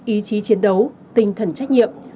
ý chí chiến đấu tinh thần trách nhiệm